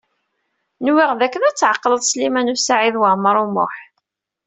Nwiɣ dakken ad tɛeqleḍ Sliman U Saɛid Waɛmaṛ U Muḥ.